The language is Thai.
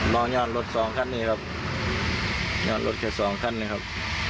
ยอดรถสองคันนี้ครับยอดรถแค่สองขั้นนะครับ